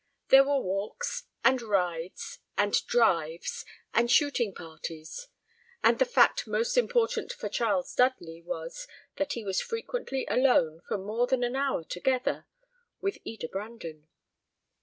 There were walks, and rides, and drives, and shooting parties; and the fact most important for Charles Dudley was, that he was frequently alone for more than an hour together with Eda Brandon.